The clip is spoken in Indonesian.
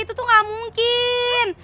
itu tuh gak mungkin